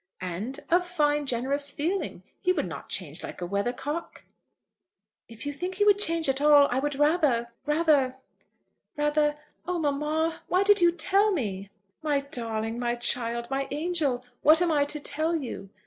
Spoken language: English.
"And of fine generous feeling. He would not change like a weather cock." "If you think he would change at all, I would rather, rather, rather . Oh, mamma, why did you tell me?" "My darling, my child, my angel! What am I to tell you?